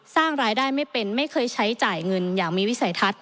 สร้างรายได้ไม่เป็นไม่เคยใช้จ่ายเงินอย่างมีวิสัยทัศน์